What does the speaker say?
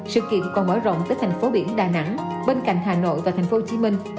sự kiện còn mở rộng tới thành phố biển đà nẵng bên cạnh hà nội và thành phố hồ chí minh